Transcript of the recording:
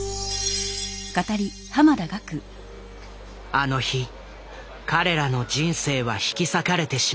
あの日彼らの人生は引き裂かれてしまった。